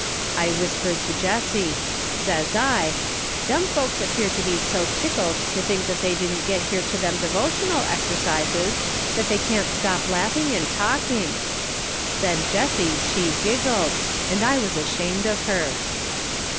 I whispered to Jessie. Says I :' Them folks appear to be so tickled to think they didn't get here to them devotional exercises that they can't stop laughing and talking.' Then Jessie, she giggled, and I was ashamed of her.